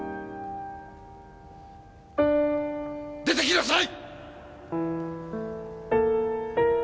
出てきなさい！